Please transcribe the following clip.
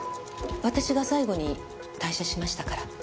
私が最後に退社しましたから。